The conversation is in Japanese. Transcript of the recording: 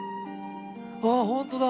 あっ本当だ！